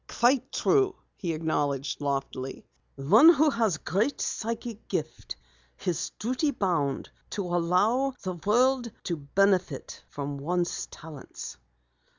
"Quite true," he acknowledged loftily. "One who has a great psychic gift is duty bound to allow the world to benefit from one's talents.